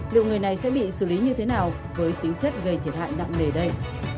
lượng người này sẽ bị xử lý như thế nào với tính chất gây thiệt hại nặng nề đây